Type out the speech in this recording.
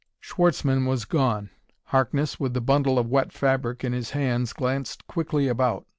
Schwartzmann was gone. Harkness, with the bundle of wet fabric in his hands, glanced quickly about.